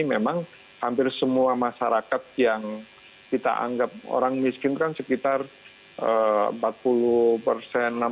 memang hampir semua masyarakat yang kita anggap orang miskin kan sekitar empat puluh persen